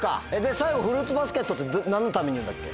最後「フルーツバスケット」って何のために言うんだっけ？